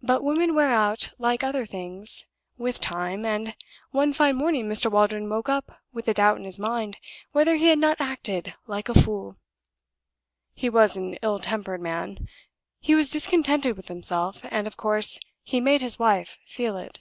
But women wear out, like other things, with time; and one fine morning Mr. Waldron woke up with a doubt in his mind whether he had not acted like a fool. He was an ill tempered man; he was discontented with himself; and of course he made his wife feel it.